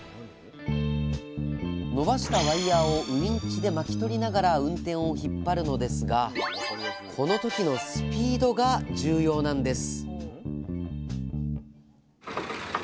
伸ばしたワイヤーをウインチで巻き取りながらウンテンを引っ張るのですがこの時のスピードが重要なんです